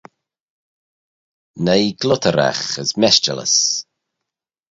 Noi glutteraght as meshtallys.